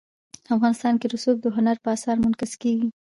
افغانستان کې رسوب د هنر په اثار کې منعکس کېږي.